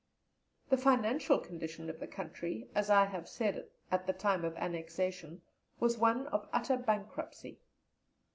The financial condition of the country, as I have said, at the time of the annexation, was one of utter bankruptcy.